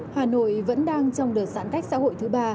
hà nội vẫn đang trong đợt giãn cách xã hội thứ ba